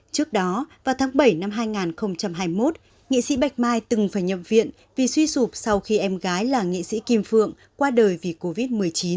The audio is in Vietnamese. trước đó vào tháng bảy năm hai nghìn hai mươi một nghị sĩ bạch mai từng phải nhập viện vì suy sụp sau khi em gái là nghệ sĩ kim phượng qua đời vì covid một mươi chín